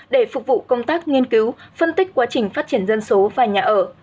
để phục vụ công tác nghiên cứu phân tích quá trình phát triển dân số và nhà ở